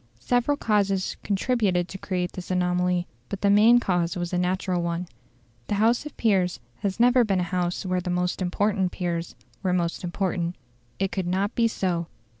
Several causes contributed to create this anomaly, but the main cause was a natural one. The House of Peers has never been a House where the most important peers were most important. It could not be so.